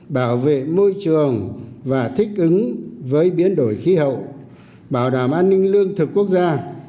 bảo vệ môi trường và thích ứng với biến đổi khí hậu bảo đảm an ninh lương thực quốc gia